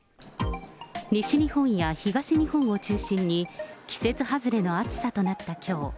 西日本や東日本を中心に、季節外れの暑さとなったきょう。